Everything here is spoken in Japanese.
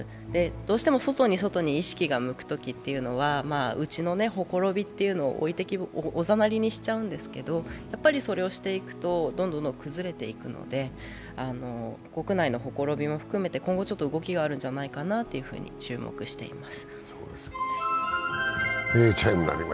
どうしても外に外に意識が向くときというのは内のほころびをおざなりにしてしまうんですけど、それをしてしまうとどんどんどんどん崩れていくので、国内のほころびも含めて今後、動きがあるんじゃないかなというふうに注目しています。